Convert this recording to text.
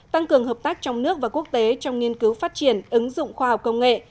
tăng cường hợp tác trong nước và quốc tế trong nghiên cứu phát triển ứng dụng khoa học công nghệ